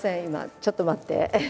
ちょっと待って。